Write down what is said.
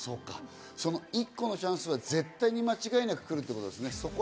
一個のチャンスは絶対に間違いなくとるということですね。